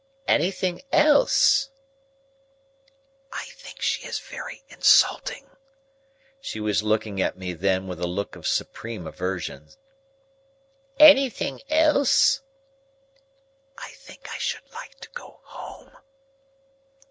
"Anything else?" "I think she is very insulting." (She was looking at me then with a look of supreme aversion.) "Anything else?" "I think I should like to go home."